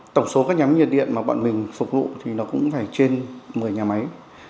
tổng số các nhóm nhiệt điện mà bọn mình phục vụ thì nó cũng phải trên một mươi nhà máy